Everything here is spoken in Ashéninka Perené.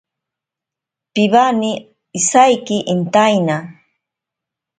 Piwane isaiki intaina.